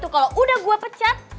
kalau udah gue pecat